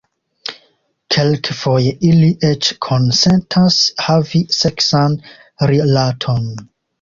Kelkfoje ili eĉ konsentas havi seksan rilaton.